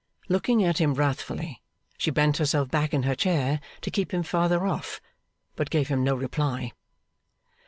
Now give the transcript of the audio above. Looking at him wrathfully, she bent herself back in her chair to keep him further off, but gave him no reply.